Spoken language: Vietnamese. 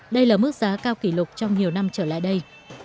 đây là mức giá cao kỷ lục trong nhiều năm trở lại đây